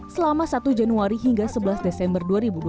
selama satu januari hingga sebelas desember dua ribu dua puluh